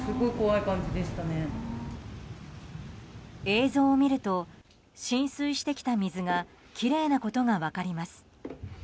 映像を見ると浸水してきた水がきれいなことが分かります。